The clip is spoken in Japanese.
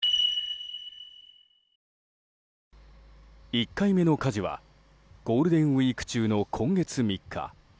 １回目の火事はゴールデンウィーク中の今月３日。